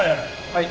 はい。